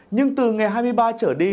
nhưng từ ngày hai mươi ba trở đi